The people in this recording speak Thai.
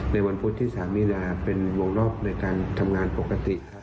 วันพุธที่๓มีนาเป็นวงรอบในการทำงานปกติ